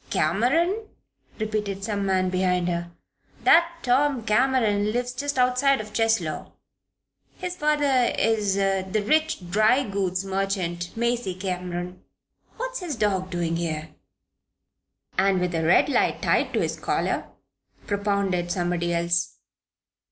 '" "Cameron?" repeated some man behind her. "That Tom Cameron lives just outside of Cheslow. His father is the rich dry goods merchant, Macy Cameron. What's his dog doing here?" "And with a red light tied to his collar?" propounded somebody else.